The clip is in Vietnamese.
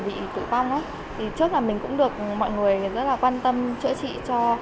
bệnh nhân bị tử vong trước mình cũng được mọi người rất quan tâm chữa trị cho